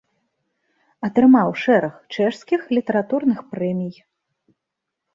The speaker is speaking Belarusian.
Атрымаў шэраг чэшскіх літаратурных прэмій.